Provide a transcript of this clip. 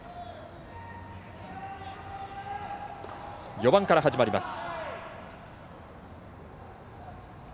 ４番から始まります。